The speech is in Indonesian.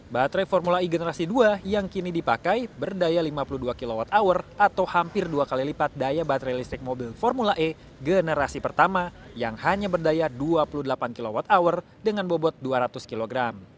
baterai formula e generasi dua yang kini dipakai berdaya lima puluh dua kwh atau hampir dua kali lipat daya baterai listrik mobil formula e generasi pertama yang hanya berdaya dua puluh delapan kwh dengan bobot dua ratus kg